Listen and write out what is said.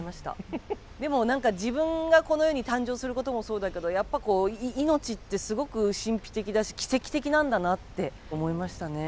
でも何か自分がこの世に誕生することもそうだけどやっぱこう命ってすごく神秘的だし奇跡的なんだなって思いましたね。